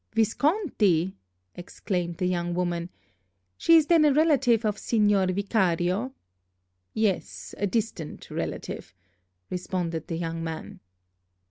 "Visconti!" exclaimed the young woman. "She is then a relative of Signor Vicario?" "Yes, a distant relative," responded the young man.